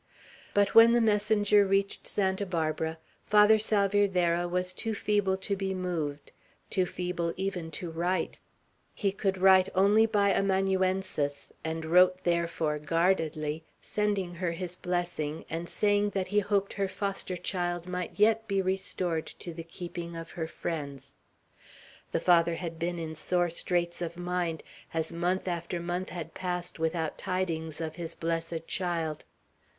But when the messenger reached Santa Barbara, Father Salvierderra was too feeble to be moved; too feeble even to write. He could write only by amanuensis, and wrote, therefore, guardedly, sending her his blessing, and saying that he hoped her foster child might yet be restored to the keeping of her friends. The Father had been in sore straits of mind, as month after month had passed without tidings of his "blessed child."